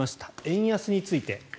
円安について。